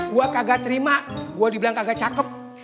gue kagak terima gue dibilang kagak cakep